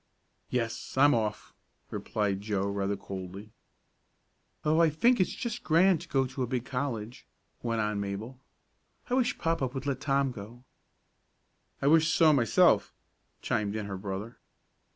"Yes, I'm off," replied Joe, rather coldly. "Oh, I think it's just grand to go to a big college," went on Mabel. "I wish papa would let Tom go." "I wish so myself," chimed in her brother.